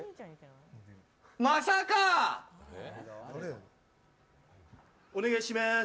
まさかお願いしまーす。